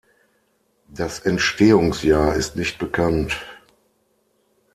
Das Entstehungsjahr ist nicht bekannt.